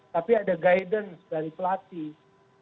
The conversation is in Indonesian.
tapi ada guidance dari pelatih